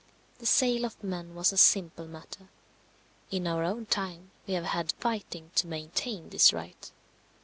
The sale of men was a simple matter. In our own time we have had fighting to maintain this right.